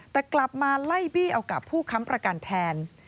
แต่กลับมาไล่บี้เอากับผู้ค้ำประกันแทน